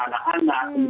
dan merayakan perbedaan